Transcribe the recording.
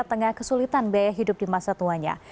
tengah kesulitan biaya hidup di masa tuanya